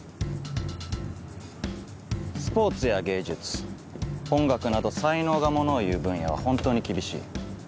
スポーツや芸術音楽など才能がものをいう分野は本当に厳しい。